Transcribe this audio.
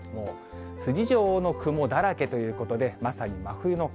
筋状の雲だらけということで、まさに真冬の顔。